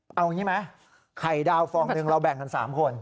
เอาอย่างนี้ไหมไข่ดาวฟองหนึ่งเราแบ่งกัน๓คน